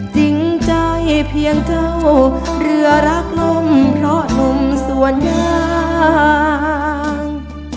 จริงใจเพียงเจ้าเรือรักลมเพราะหนุ่มส่วนยาง